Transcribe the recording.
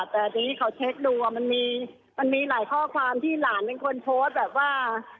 แต่ทีนี้เขาเช็คดูว่ามันมีหลายข้อความที่หลานเป็นคนโพสต์แบบว่า